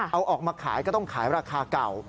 เอาออกมาขายก็ต้องขายราคาเก่า